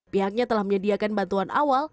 pihaknya telah menyediakan bantuan awal